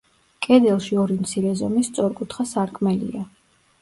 კედელში ორი მცირე ზომის სწორკუთხა სარკმელია.